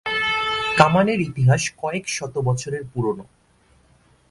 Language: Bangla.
কামানের ইতিহাস কয়েক শত বছরের পুরনো।